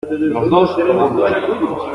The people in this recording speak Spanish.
los dos, juntos.